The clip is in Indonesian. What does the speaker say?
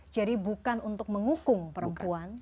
jadi bukan untuk menghukum perempuan